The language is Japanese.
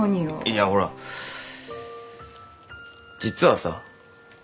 いやほら実はさ